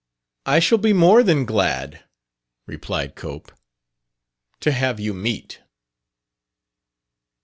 "I shall be more than glad," replied Cope, "to have you meet."